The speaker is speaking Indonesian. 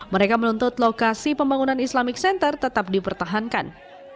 mereka menuntut lokasi pembangunan islamic center tetap dipertahankan